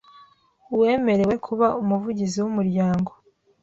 Uwemerewe kuba Umuvugizi w umuryango